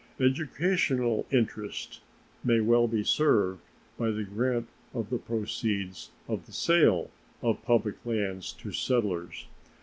Educational interest may well be served by the grant of the proceeds of the sale of public lands to settlers.